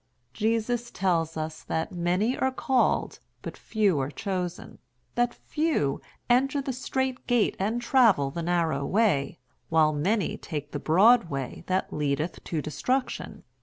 Jesus tells us that many are called but few are chosen; that few enter the strait gate and travel the narrow way, while many take the broad way that leadeth to destruction.